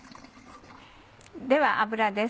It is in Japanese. では油です